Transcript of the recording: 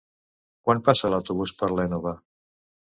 Quan passa l'autobús per l'Énova?